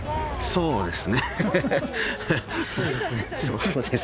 そうですね。